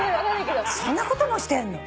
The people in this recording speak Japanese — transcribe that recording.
そんなこともしてんの？